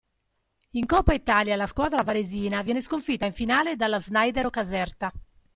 In Coppa Italia la squadra varesina viene sconfitta in finale dalla Snaidero Caserta.